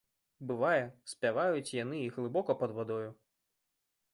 Бывае, спяваюць яны і глыбока пад вадою.